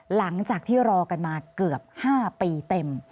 หลังจากที่รอกันมาเกือบ๕ปีเต็ม